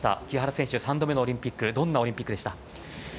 木原選手、３度目のオリンピックどんなオリンピックでした？